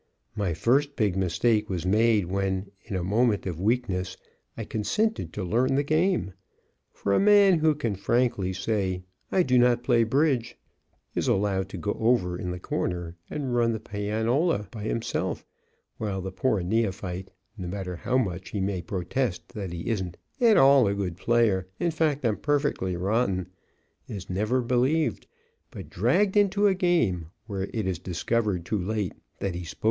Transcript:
My first big mistake was made when, in a moment of weakness, I consented to learn the game; for a man who can frankly say "I do not play bridge" is allowed to go over in the corner and run the pianola by himself, while the poor neophyte, no matter how much he may protest that he isn't "at all a good player, in fact, I'm perfectly rotten," is never believed, but dragged into a game where it is discovered, too late, that he spoke the truth.